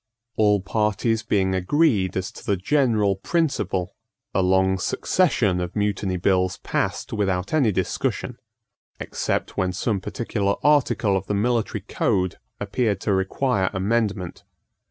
All parties being agreed as to the general principle, a long succession of Mutiny Bills passed without any discussion, except when some particular article of the military code appeared to require amendment.